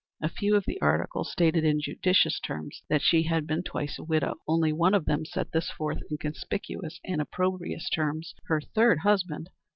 A few of the articles stated in judicious terms that she had been twice a widow. Only one of them set this forth in conspicuous and opprobrious terms: "Her Third Husband!